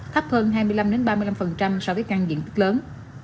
thấp hơn hai mươi năm ba mươi năm so với căn diện lớn